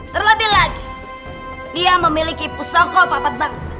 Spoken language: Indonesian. terlebih lagi dia memiliki pusoko papat bangsa